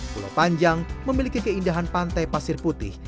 pulau panjang memiliki keindahan pantai pasir putih